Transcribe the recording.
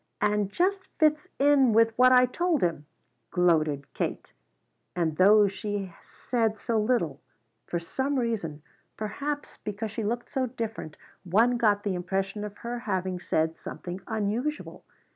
"And just fits in with what I told him!" gloated Kate. And though she said so little, for some reason, perhaps because she looked so different, one got the impression of her having said something unusual.